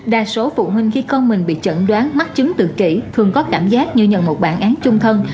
đa số phụ huynh khi con mình bị chẩn đoán mắc chứng tự kỷ thường có cảm giác như nhận một bản án chung thân